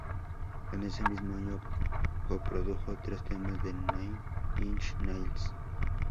En ese mismo año, coprodujo tres temas de Nine Inch Nails.